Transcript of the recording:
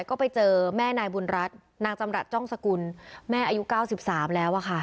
ก็ไปเจอแม่นายบุญรัฐนางจำรัฐจ้องสกุลแม่อายุ๙๓แล้วอะค่ะ